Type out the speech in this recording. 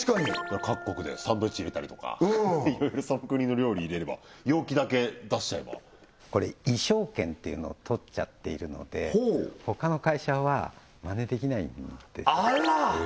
各国でサンドイッチ入れたりとかいろいろその国の料理入れれば容器だけ出しちゃえばこれ意匠権っていうのを取っちゃっているので他の会社はまねできないんですあら！